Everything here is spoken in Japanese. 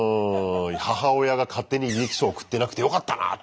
母親が勝手に履歴書送ってなくてよかったなって。